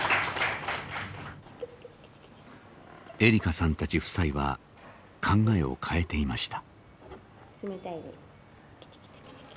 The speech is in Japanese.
栄里香さんたち夫妻は考えを変えていました。